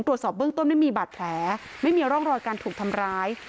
ตรวจสอบเบื้องต้นไม่มีบาดแผลไม่มีร่องรอยการถูกทำร้าย